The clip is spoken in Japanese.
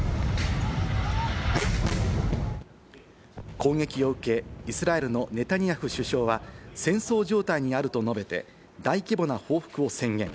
攻撃を受け、イスラエルのネタニヤフ首相は戦争状態にあると述べて、大規模な報復を宣言。